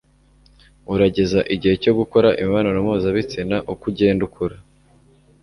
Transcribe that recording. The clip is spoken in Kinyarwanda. urageza igihe cyo gukora imibonano mpuzabitsina. uko ugenda ukura